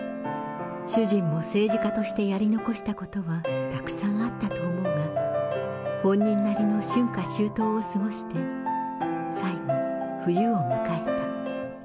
主人も政治家としてやり残したことはたくさんあったと思うが、本人なりの春夏秋冬を過ごして、最後、冬を迎えた。